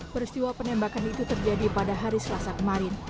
peristiwa penembakan itu terjadi pada hari selasa kemarin